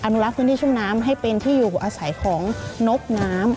นุรักษ์พื้นที่ชุ่มน้ำให้เป็นที่อยู่อาศัยของนกน้ำ